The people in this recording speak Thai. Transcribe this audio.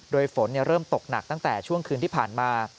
โดยฝนเริ่มตกหนักตั้งแต่ช่วงคืนที่ผ่านมา